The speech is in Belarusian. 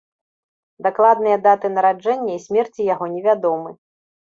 Дакладныя даты нараджэння і смерці яго невядомы.